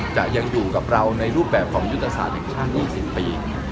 จะยังอยู่กับเราในรูปแบบของยุทธศาสตร์แห่งชาติ๒๐ปี